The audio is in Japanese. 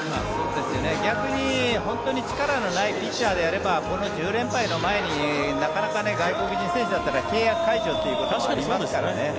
逆に本当に力のないピッチャーであればこの１０連敗の前になかなか外国人選手だったら契約解除ということもありますからね。